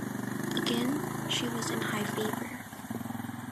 Again she was in high favour.